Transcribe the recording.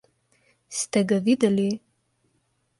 Ste ga videli?